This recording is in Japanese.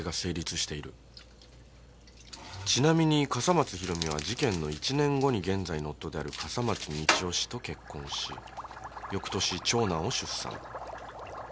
ちなみに笠松ひろみは事件の１年後に現在の夫である笠松道夫氏と結婚し翌年長男を出産